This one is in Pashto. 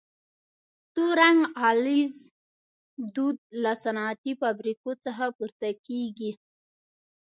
تور رنګه غلیظ دود له صنعتي فابریکو څخه پورته کیږي.